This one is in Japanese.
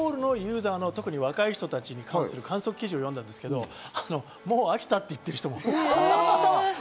シンガポールのユーザーの、特に若い人たちに関する感想記事を読んだんですが、もう飽きたと言ってる人も多いって。